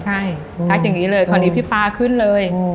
ใช่ทักอย่างนี้เลยคราวนี้พี่ป๊าขึ้นเลย